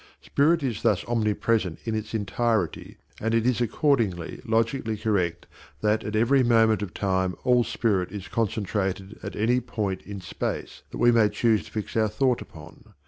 Spirit is thus omnipresent in its entirety, and it is accordingly logically correct that at every moment of time all spirit is concentrated at any point in space that we may choose to fix our thought upon.